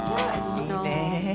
いいね。